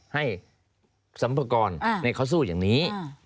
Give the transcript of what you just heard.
ให้สัมปกรณ์ในข้อสู้อย่างนี้